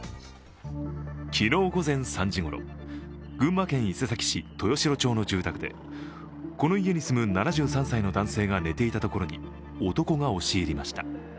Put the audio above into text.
昨日、午前３時ごろ群馬県伊勢崎市豊城町の住宅でこの家に住む７３歳の男性が寝ていたところに男が押し入りました。